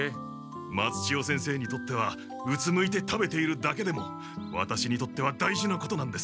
松千代先生にとってはうつむいて食べているだけでもワタシにとっては大事なことなんです。